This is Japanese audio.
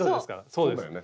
そうだよね。